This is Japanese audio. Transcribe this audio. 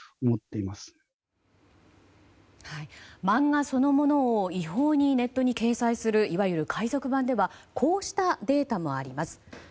漫画そのものを違法にネットに掲載するいわゆる海賊版ではこうしたデータもあります。